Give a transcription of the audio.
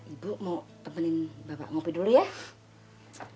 ibu mau temanin bapak mopi dulu ya